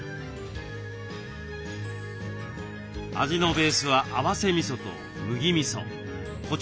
味のベースは合わせみそと麦みそコチュジャン。